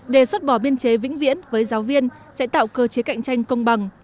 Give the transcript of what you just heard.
đề xuất bỏ biên chế vĩnh viễn với giáo viên sẽ tạo cơ chế cạnh tranh công bằng